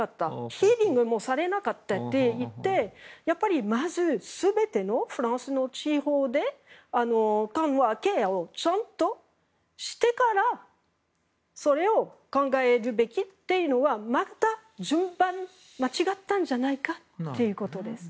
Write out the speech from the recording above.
ヒアリングもされなかったって言ってやっぱりまず全てのフランスの地方で緩和ケアをちゃんとしてからそれを考えるべきというのはまた順番を間違ったんじゃないかということです。